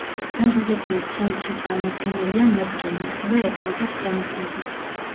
კომპოზიციის ცენტრში წარმოდგენილია ნეპტუნი, ასევე ეტლი და ცხენოსნები.